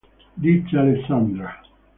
Disse Alessandra.